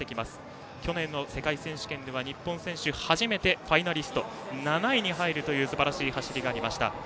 去年の世界選手権では日本選手で初めてファイナリストで７位に入るというすばらしい走りがありました。